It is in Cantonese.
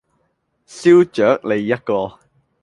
燒鵲脷一個